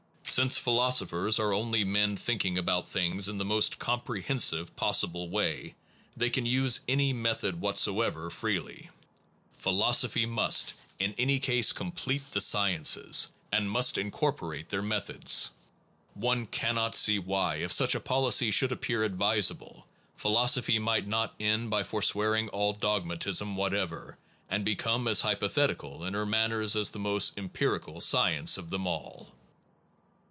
Since philosophers are only men thinking about things in the most comprehensive pos sible way, they can use any method whatsoever freely. Philosophy must, in any case, com 25 SOME PROBLEMS OF PHILOSOPHY plete the sciences, and must incorporate their methods. One cannot see why, if such a policy should appear advisable, philosophy might not end by forswearing all dogmatism what ever, and become as hypothetical in her man ners as the most empirical science of them all.